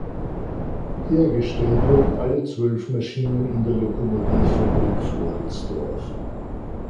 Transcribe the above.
Hergestellt wurden alle zwölf Maschinen in der Lokomotivfabrik Floridsdorf.